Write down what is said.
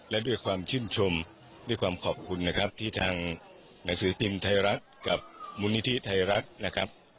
และด้วยความชื่นชมด้วยความขอบคุณนะครับที่ทางหนังสือพิมพ์ไทยรัฐกับมูลนิธิไทยรัฐนะครับ